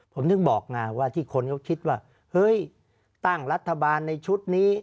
ผมถึงบอกไงว่าที่คนเขาคิดว่าเฮ้ยตั้งรัฐบาลในชุดนี้